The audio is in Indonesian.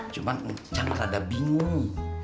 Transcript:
cuman mencang rada bingung